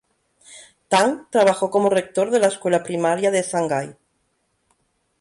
Tang trabajó como rector de la Escuela Primaria de Shanghái.